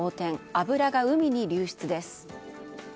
油が海に流出です。